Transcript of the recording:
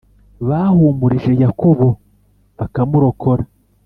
bahumurije Yakobo bakamurokora,